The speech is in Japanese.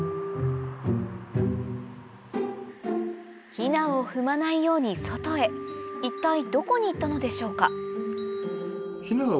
ヒナを踏まないように外へ一体どこに行ったのでしょうか？